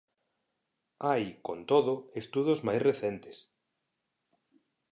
Hai, con todo, estudos máis recentes.